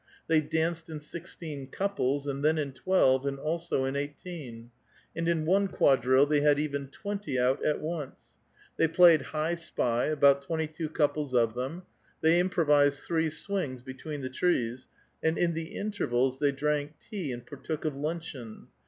They danced ^^ sixteen couples, and then in twelve, and also in eighteen ; SJJ^ in one quadrille they had even twenty out at once. iu ^y played high sp}', about twenty two couples of them ;.^^ improvised three swings between the trees ; and in the ^t^rvals thev di'ank tea and partook of luncheon.